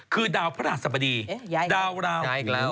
คือดาวพระศัตริย์สมดี